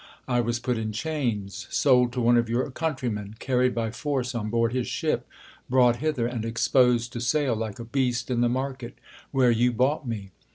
I was put in chains, sold to one of your countrymen, carried by force on board his ship, brought hither, and exposed to sale like a beast in the market, where you bought me.